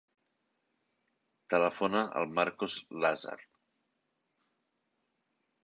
Telefona al Marcos Lazar.